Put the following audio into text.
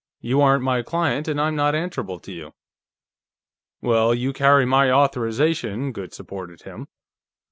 You aren't my client, and I'm not answerable to you." "Well, you carry my authorization," Goode supported him.